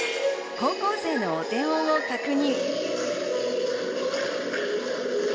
高校生のお手本を確認。